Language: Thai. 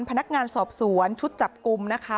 พนักงานสอบสวนชุดจับกลุ่มนะคะ